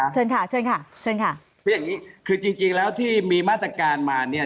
จริงนิดที่เชิญค่ะคือจริงแล้วที่มีมาตรการมาเนี่ย